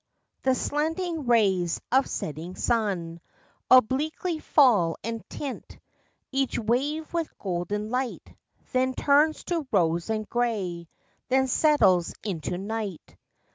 The slanting rays of setting sun Obliquely fall and tint Each wave with golden light, Then turns to rose and grey, Then settles into night.